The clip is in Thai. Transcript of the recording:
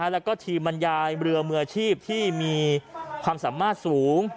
แล้วก็ทีมบรรยายเรือมืออาชีพที่มีความสามารถสูง